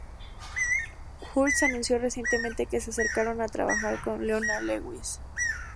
Hurts anunció recientemente que se acercaron a trabajar con Leona Lewis.